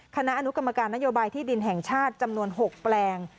คณะอนุกรรมการนโยบายที่ดินแห่งชาติจำนวน๖แปลง